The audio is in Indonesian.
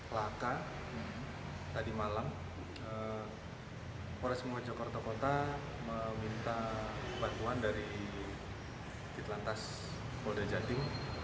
laka tadi malam polres mojokerto kota meminta bantuan dari ditelantas polda jatim